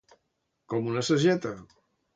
Com una sageta.